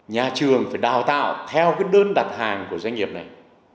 nhà trường phải đào tạo theo đơn đặt hàng của doanh nghiệp này